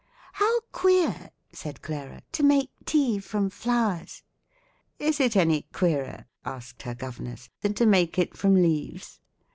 '" "How queer," said Clara, "to make tea from flowers!" "Is it any queerer," asked her governess, "than to make it from leaves?